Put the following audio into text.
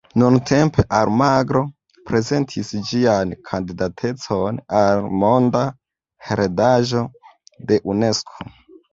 Nuntempe, Almagro prezentis ĝian kandidatecon al Monda heredaĵo de Unesko.